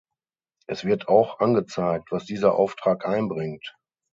Es wird auch angezeigt, was dieser Auftrag einbringt.